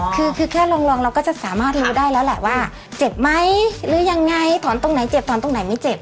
คือคือแค่ลองเราก็จะสามารถรู้ได้แล้วแหละว่าเจ็บไหมหรือยังไงถอนตรงไหนเจ็บถอนตรงไหนไม่เจ็บ